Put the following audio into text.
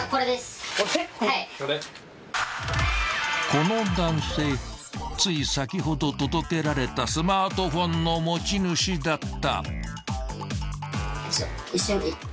［この男性つい先ほど届けられたスマートフォンの持ち主だった］